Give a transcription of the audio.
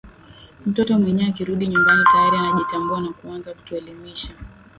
mtoto mwenyewe akirudi nyumbani tayari anajitambua na kuanza kutuelimisha